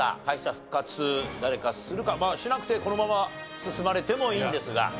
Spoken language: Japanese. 敗者復活誰かするかまあしなくてこのまま進まれてもいいんですが。